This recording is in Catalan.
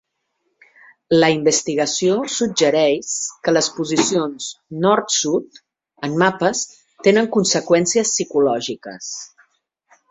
La investigació suggereix que les posicions nord-sud en mapes tenen conseqüències psicològiques.